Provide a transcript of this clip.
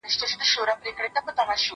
چي بيزو او بيزو وان پر راښكاره سول